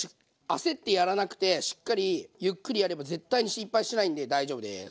焦ってやらなくてしっかりゆっくりやれば絶対に失敗しないんで大丈夫です。